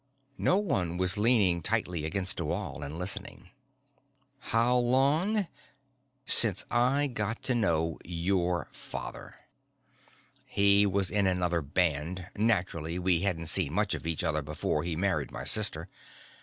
No one was leaning tightly against a wall and listening. "How long? Since I got to know your father. He was in another band; naturally we hadn't seen much of each other before he married my sister.